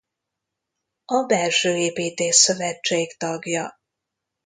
A Belsőépítész Szövetség tagja.